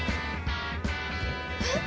えっ？